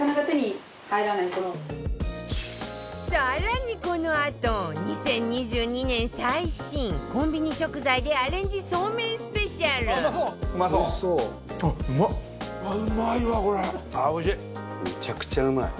更にこのあと２０２２年最新コンビニ食材でアレンジそうめんスペシャルああおいしい！